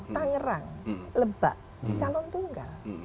tangerang lebak calon tunggal